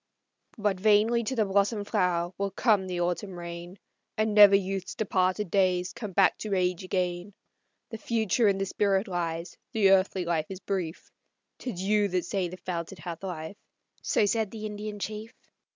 "But vainly to the blossomed flower will come the autumn rain, And never youth's departed days come back to age again; The future in the spirit lies, the earthly life is brief, 'Tis you that say the fount hath life," so said the Indian chief.